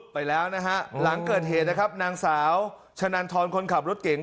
ไปแล้วนะฮะหลังเกิดเหตุนะครับนางสาวชะนันทรคนขับรถเก่ง